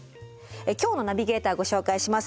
今日のナビゲーターご紹介します。